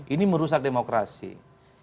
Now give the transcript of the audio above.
itu salah satu hal yang harus dibuktikan